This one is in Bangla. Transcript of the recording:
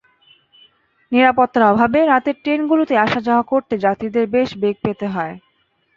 নিরাপত্তার অভাবে রাতের ট্রেনগুলোতে আসা-যাওয়া করতে যাত্রীদের বেশ বেগ পেতে হয়।